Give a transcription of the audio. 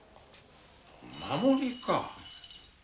お守りか。